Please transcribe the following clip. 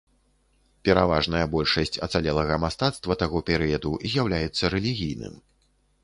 Пераважная большасць ацалелага мастацтва таго перыяду з'яўляецца рэлігійным.